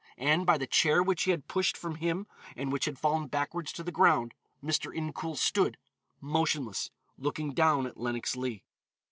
And by the chair which he had pushed from him and which had fallen backwards to the ground, Mr. Incoul stood, motionless, looking down at Lenox Leigh.